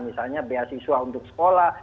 misalnya beasiswa untuk sekolah